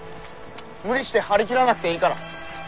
無理して張り切らなくていいから。